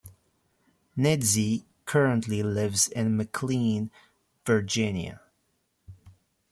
Nedzi currently lives in McLean, Virginia.